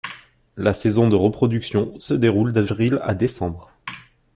La saison de reproduction se déroule d'avril à décembre.